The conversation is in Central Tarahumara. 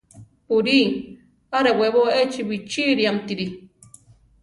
Uri; arewebo echi bichíriamtiri.